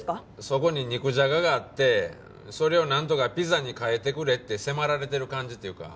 そこに肉じゃががあってそれをなんとかピザに変えてくれって迫られてる感じっていうか。